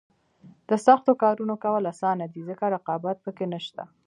د سختو کارونو کول اسانه دي ځکه رقابت پکې نشته.